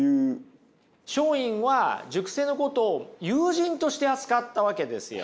松陰は塾生のことを友人として扱ったわけですよ。